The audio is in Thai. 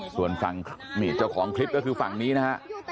ส่วนฝั่งเจ้าของคลิปก็คือฝั่งนี้นะฮะ